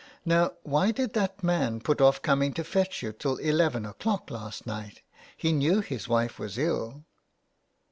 Now, why did that man put off coming to fetch you till eleven o'clock last night ? He knew his wife was ill."